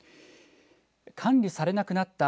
管理されなくなった